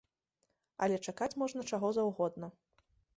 Але чакаць можна чаго заўгодна.